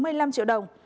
hai mươi năm triệu đồng